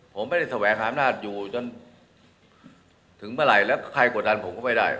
ผมไม่ได้แสวงหาอำนาจอยู่จนถึงเมื่อไหร่แล้วใครกดดันผมก็ไม่ได้